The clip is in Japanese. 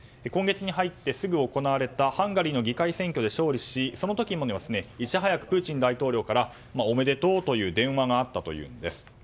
今月に入ってすぐ行われたハンガリーの議会選挙で勝利しその時にも、いち早くプーチン大統領からおめでとうという電話があったというんです。